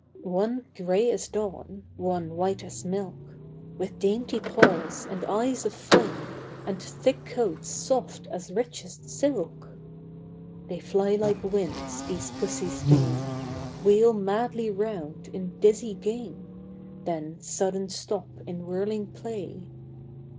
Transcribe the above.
One grey as dawn, one white as milk! With dainty paws, and eyes of flame, And thick coats soft as richest silk! They fly like wind, these pussies gay; Wheel madly round in dizzy game, Then sudden stop in whirling play.